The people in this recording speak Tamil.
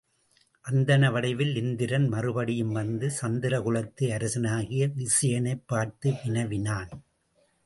அந்தண வடிவில் இந்திரன் மறுபடி யும் வந்து சந்திரகுலத்து அரசனாகிய விசயனைப் பார்த்து வினவினான்.